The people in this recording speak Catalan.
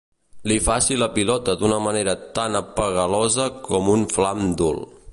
Li faci la pilota d'una manera tan apegalosa com un flam Dhul.